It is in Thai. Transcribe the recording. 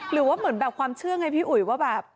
หรือว่าเหมือนแบบความเชื่อไงพี่อุ๋ยว่าแบบ